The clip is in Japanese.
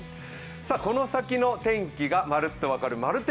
この先の天気がまるっとわかる「まる天」